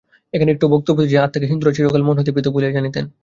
এখানে একটু বক্তব্য এই যে, আত্মাকে হিন্দুরা চিরকাল মন হইতে পৃথক বলিয়া জানিতেন।